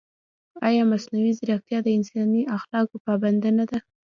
ایا مصنوعي ځیرکتیا د انساني اخلاقو پابنده نه ده؟